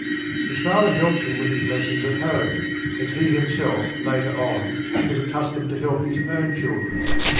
His father helped him with his lessons at home, as he himself, later on, was accustomed to help his own children.